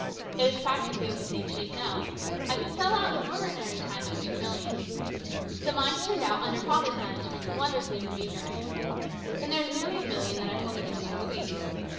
It is practically in the same shape now. I could sell out in ordinary times for two millions. The mines turned out under father's management wonderfully remunerative. Then there is nearly a million that I hold in trust for Louise.